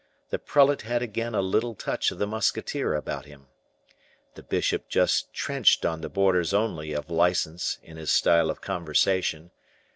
The prelate had again a little touch of the musketeer about him. The bishop just trenched on the borders only of license in his style of conversation.